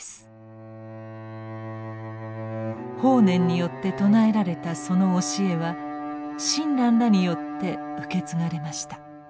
法然によって称えられたその教えは親鸞らによって受け継がれました。